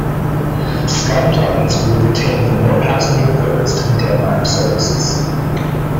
Scandlines will retain the more passenger focused Denmark services.